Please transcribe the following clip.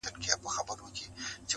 ماته مي قسمت له خپلي ژبي اور لیکلی دی.!